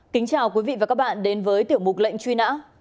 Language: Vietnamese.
kính chào quý vị và các bạn đến với tiểu mục lệnh truy nã